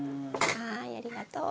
はいありがとう。